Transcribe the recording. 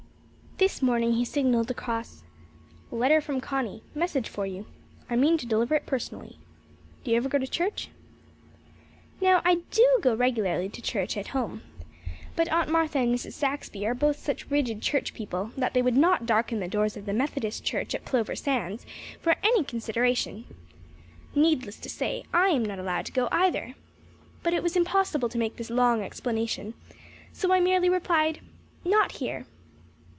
This morning he signalled across: "Letter from Connie. Message for you. I mean to deliver it personally. Do you ever go to church?" Now, I do go regularly to church at home. But Aunt Martha and Mrs. Saxby are both such rigid church people that they would not darken the doors of the Methodist church at Plover Sands for any consideration. Needless to say, I am not allowed to go either. But it was impossible to make this long explanation, so I merely replied: "Not here."